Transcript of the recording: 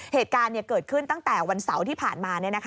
เหตุการณ์เกิดขึ้นตั้งแต่วันเสาร์ที่ผ่านมา